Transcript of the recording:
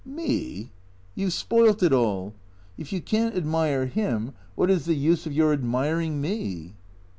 " Me ? You 've spoilt it all. If you can't admire him, what is the use of your admiring me